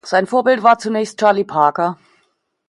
Sein Vorbild war zunächst Charlie Parker.